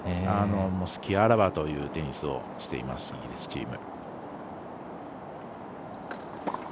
隙あらばというテニスをしています、イギリスチーム。